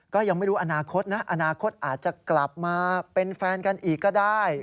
ก็ยังไม่รู้อนาคตนะอนาคตอาจจะกลับมาเป็นแฟนกันอีกก็ได้